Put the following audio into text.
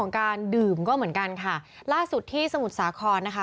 การดื่มก็เหมือนกันค่ะล่าสุดที่สมุทรสาครนะคะ